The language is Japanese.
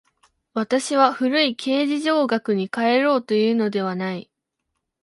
私は古い形而上学に還ろうというのではない。